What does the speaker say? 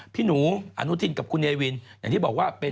พี่หนูอนุทินกับคุณเนวินอย่างที่บอกว่าเป็น